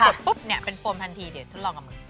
ปุ๊บเนี่ยเป็นโฟมทันทีเดี๋ยวทดลองกับมือ